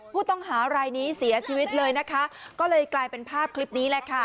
ผู้ต้องหารายนี้เสียชีวิตเลยนะคะก็เลยกลายเป็นภาพคลิปนี้แหละค่ะ